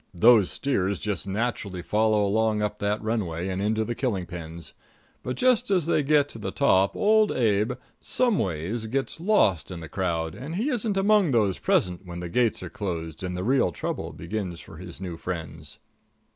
Those steers just naturally follow along on up that runway and into the killing pens. But just as they get to the top, Old Abe, someways, gets lost in the crowd, and he isn't among those present when the gates are closed and the real trouble begins for his new friends.